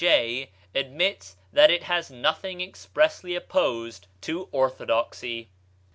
J., admits that it has nothing expressly opposed to orthodoxy.